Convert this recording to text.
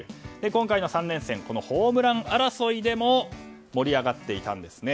今回の３連戦はホームラン争いでも盛り上がっていたんですね。